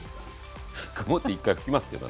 曇って１回拭きますけどね。